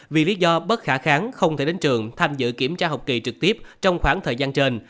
vì lý do bất khả kháng không thể đến trường tham dự kiểm tra học kỳ trực tiếp trong khoảng thời gian trên